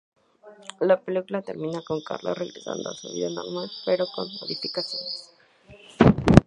La película termina con Carla regresando a su vida normal, pero con modificaciones.